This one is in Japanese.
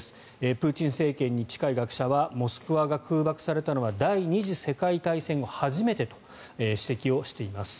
プーチン政権に近い学者はモスクワが空爆されたのは第２次世界大戦後初めてと指摘しています。